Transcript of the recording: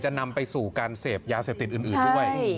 นำไปสู่การเสพยาเสพติดอื่นด้วย